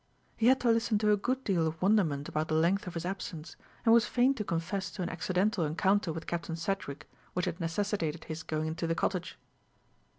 He had to listen to a good deal of wonderment about the length of his absence, and was fain to confess to an accidental encounter with Captain Sedgewick, which had necessitated his going into the cottage.